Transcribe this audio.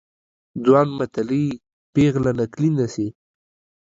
ځوان متلي ، پيغله نکلي مه سي.